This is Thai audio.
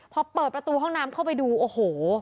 พอเปิดประตูห้องน้ำเข้าไปดูโอ้โห